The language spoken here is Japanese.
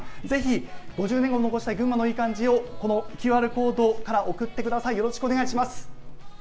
ぜひ「５０年後も残したい群馬のいいカンジ」をＱＲコードから送ってください。